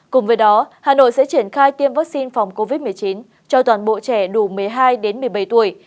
cùng với đó hà nội sẽ triển khai tiêm vaccine phòng covid một mươi chín cho toàn bộ trẻ đủ một mươi hai đến một mươi bảy tuổi